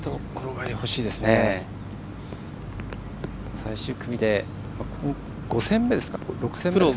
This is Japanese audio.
最終組で、５戦目ですか。